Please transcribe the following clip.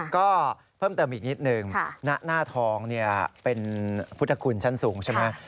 ก็เพิ่มเติมอีกนิดนึงหน้าทองเป็นพุทธคุณชั้นสูงใช่ไหม